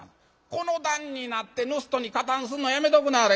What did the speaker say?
この段になって盗人に加担すんのやめとくなはれ。